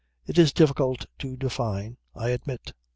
It is difficult to define, I admit."